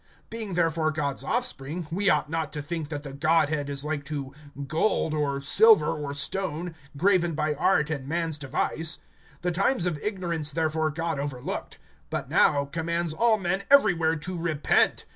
(29)Being therefore God's offspring, we ought not to think that the Godhead is like to gold, or silver, or stone, graven by art and man's device. (30)The times of ignorance therefore God overlooked; but now, commands all men everywhere to repent.